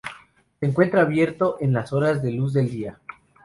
Se encuentra abierto en las horas de luz del día.